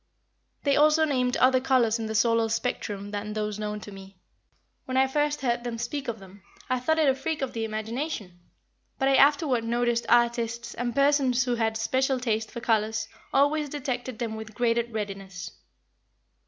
They also named other colors in the solar spectrum than those known to me. When I first heard them speak of them, I thought it a freak of the imagination; but I afterward noticed artists, and persons who had a special taste for colors, always detected them with greater readiness.